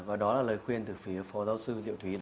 và đó là lời khuyên từ phía phó giáo sư diệu thúy